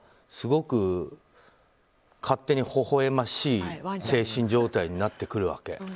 すごく勝手に微笑ましい精神状態になってくるわけ。